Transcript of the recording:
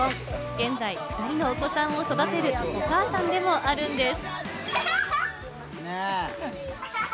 現在２人のお子さんを育てるお母さんでもあるんです。